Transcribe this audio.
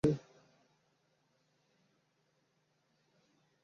সে সব আমার কখনও আসে না।